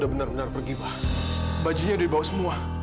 dia benar benar pergi pak bajunya udah dibawa semua